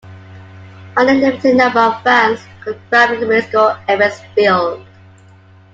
Only a limited number of fans could cram into minuscule Ebbets Field.